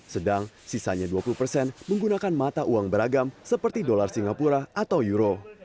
sedang sisanya dua puluh persen menggunakan mata uang beragam seperti dolar singapura atau euro